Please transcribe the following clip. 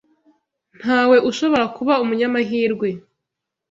Ntawe ushobora kuba umunyamahirwe.